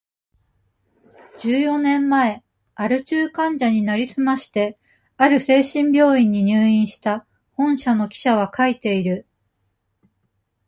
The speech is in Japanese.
十四年前、アル中患者になりすまして、ある精神病院に入院した、本社の記者は書いている。